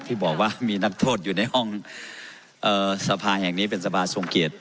ที่บอกว่ามีนักโทษอยู่ในห้องสภาแห่งนี้เป็นสภาทรงเกียรติ